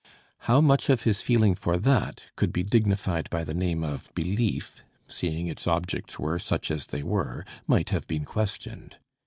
How much of his feeling for that could be dignified by the name of belief, seeing its objects were such as they were, might have been questioned.